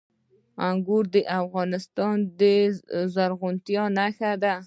انګور د افغانستان د زرغونتیا نښه ده.